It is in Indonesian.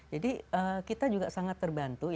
jadi kita juga sangat terbantu